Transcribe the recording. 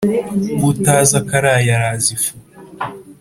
Utazi akaraye araza ifu.